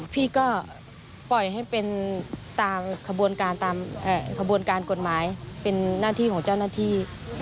พี่ก็ปล่อยให้เป็นตามขบวนการกฎหมายเป็นน่าเที่ยวของเจ้าหน้าที่